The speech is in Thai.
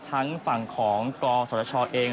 ทั้งฝั่งของกศชเอง